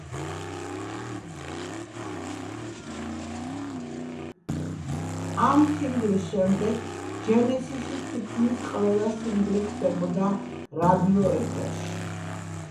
ამ სინგლის შემდეგ ჯენესისის თითქმის ყველა სინგლი ხვდებოდა რადიოეთერში.